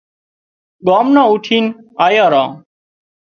ڳام نان اُوٺينَ آيان ران